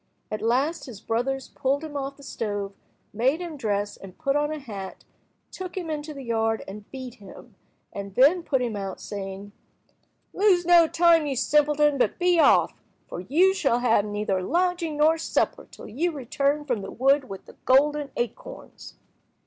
At last his brothers pulled him off the stove, made him dress and put on a hat, took him into the yard and beat him, and then put him out, saying— "Lose no time, you simpleton, but be off, for you shall have neither lodging nor supper till you return from the wood with the golden acorns."